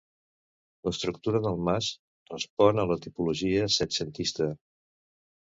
L'estructura del mas respon a la tipologia setcentista.